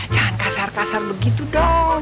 jangan kasar kasar begitu dong